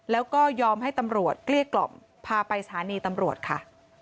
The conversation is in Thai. แล้วก็ยอมให้ตำรวจเกลี้ยกล่อมพาไปสถานีตำรวจค่ะ